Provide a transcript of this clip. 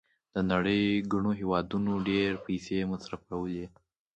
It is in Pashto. د نړۍ ګڼو هېوادونو ډېرې پیسې مصرفولې.